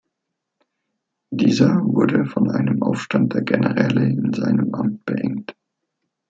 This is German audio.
Dieser wurde von einem Aufstand der Generäle in seinem Amt beengt.